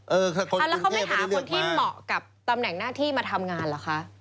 แล้วเขาไม่ถามคนที่เหมาะกับตำแหน่งหน้าที่มาทำงานเหรอคะ